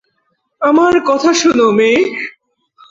আমার কথা শোন, মেয়ে।